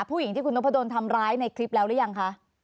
ผู้หญิงที่คุณนพดลทำร้ายในคลิปแล้วหรือยังคะ